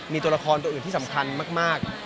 มีตัวละครตัวอื่นที่สำคัญมาก